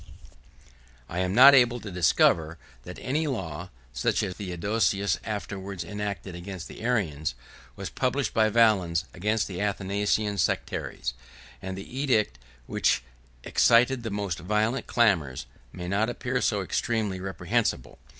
73 3. I am not able to discover, that any law (such as Theodosius afterwards enacted against the Arians) was published by Valens against the Athanasian sectaries; and the edict which excited the most violent clamors, may not appear so extremely reprehensible.